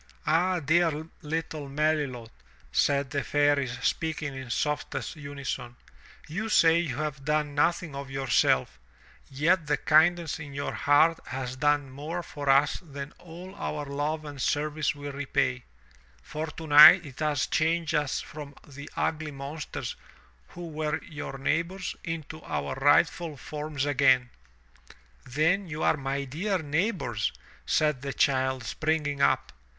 "Ah, dear Uttle Melilot," said the Fairies speaking in softest unison, "you say you have done nothing of yourself, yet the kindness in your heart has done more for us than all our love and service will repay, for tonight it has changed us from the ugly monsters who were your neighbors into our rightful forms again." "Then you are my dear neighbors," said the child springing up.